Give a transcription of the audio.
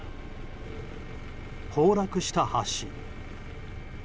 崩落した橋。